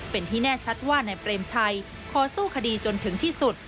เป็นที่แน่ชัดว่านายเปรมชัยขอสู้คดีจนถึงที่สุด